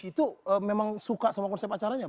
itu memang suka sama konsep acaranya